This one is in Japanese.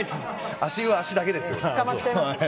足湯は足だけです！